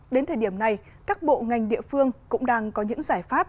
đến thời điểm này các bộ ngành địa phương cũng đang có những giải pháp